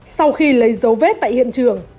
sau khi lấy dấu vết tại hiện trường